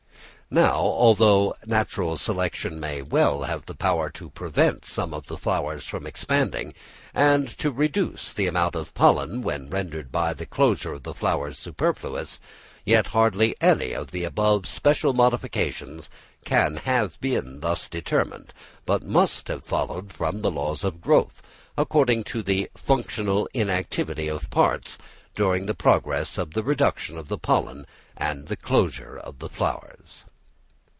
Now although natural selection may well have had the power to prevent some of the flowers from expanding, and to reduce the amount of pollen, when rendered by the closure of the flowers superfluous, yet hardly any of the above special modifications can have been thus determined, but must have followed from the laws of growth, including the functional inactivity of parts, during the progress of the reduction of the pollen and the closure of the flowers.